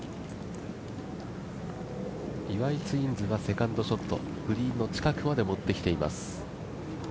岩井ツインズはセカンドショット、グリーンの近くまで持ってきています。